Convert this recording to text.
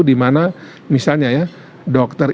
dimana misalnya ya dokter